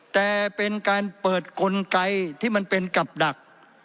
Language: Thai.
แต่เป็นการเปิดกลไกที่มันเป็นกับดัก